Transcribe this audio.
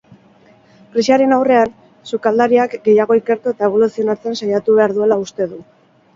Krisiaren aurrean, sukaldariak gehiago ikertu eta eboluzionatzen saiatu behar duela uste du.